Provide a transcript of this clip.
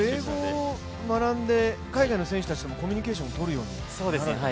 英語を学んで、海外の人たちともコミュニケーションを取るようにしたんですか？